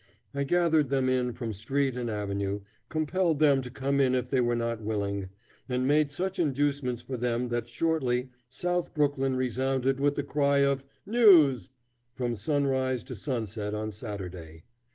I gathered them in from street and avenue, compelled them to come in if they were not willing, and made such inducements for them that shortly South Brooklyn resounded with the cry of "News" from sunrise to sunset on Saturday.